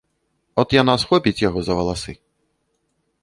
От яна схопіць яго за валасы.